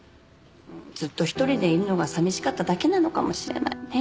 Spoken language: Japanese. ずっと一人でいるのが寂しかっただけなのかもしれないね。